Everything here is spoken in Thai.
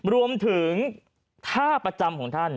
รวมถึงท่าประจำของท่าน